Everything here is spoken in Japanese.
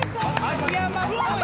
秋山っぽい。